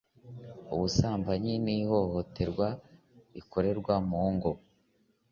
Ubusambanyi n ihohoterwa rikorerwa mu ngo